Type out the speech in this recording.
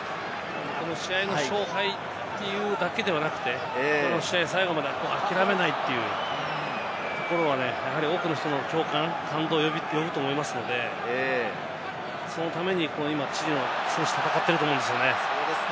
試合の勝敗というだけではなくて、この試合、最後まで諦めないというところは多くの人の共感、感動を呼ぶと思いますので、そのために今、チリの選手は戦っていると思いますね。